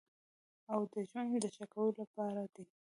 او د ژوند د ښه کولو لپاره دی.